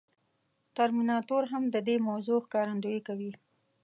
ترمیناتور هم د دې موضوع ښکارندويي کوي.